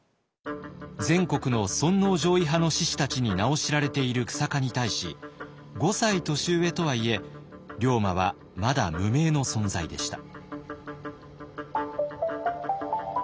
全国の尊皇攘夷派の志士たちに名を知られている久坂に対し５歳年上とはいえ龍馬はまだ無名の存在でした。